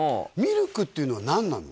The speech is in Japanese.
ＬＫっていうのは何なの？